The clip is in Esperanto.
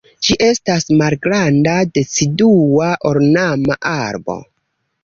Ĝi estas malgranda, decidua, ornama arbo.